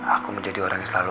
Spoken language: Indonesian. aku menjadi orang yang selalu